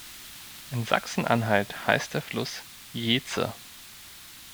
In Sachsen-Anhalt heißt der Fluss Jeetze.